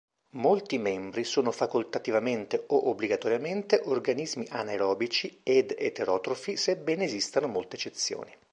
Molti membri sono facoltativamente o obbligatoriamente organismi anaerobici ed eterotrofi, sebbene esistano molte eccezioni.